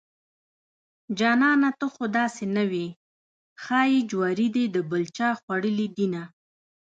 جانانه ته خوداسې نه وې ښايي جواري دې دبل چاخوړلي دينه